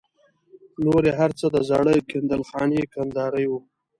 نور یې هر څه د زاړه کندل خاني کندهاري وو.